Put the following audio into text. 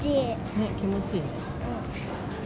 ね、気持ちいいね。